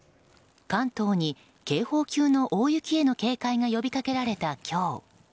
関東に警報級の大雪への警戒が呼びかけられた今日。